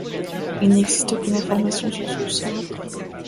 Il n'existe aucune information sur son sort après.